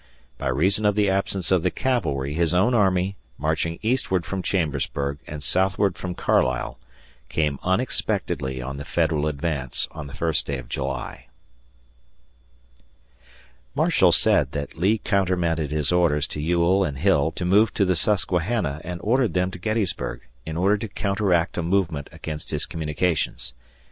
... By reason of the absence of the cavalry his own army, marching eastward from Chambersburg and southward from Carlisle, came unexpectedly on the Federal advance on the first day of July. Marshall said that Lee countermanded his orders to Ewell and Hill to move to the Susquehanna and ordered them to Gettysburg, in order tocounteract a movement against his communications.